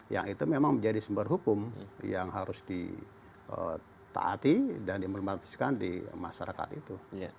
yang itu memang menjadi sumber hukum yang harus ditaati dan diimplementasikan di masyarakat itu